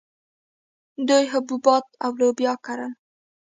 دوی حبوبات او لوبیا کرل